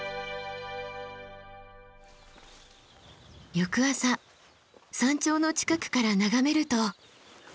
翌朝山頂の近くから眺めると。